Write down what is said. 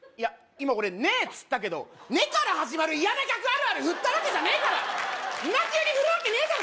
今俺「ねえっ」っつったけど「ね」から始まる嫌な客あるあるふったわけじゃねえからんな急にふるわけねえだろ